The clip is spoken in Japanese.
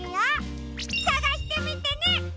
さがしてみてね！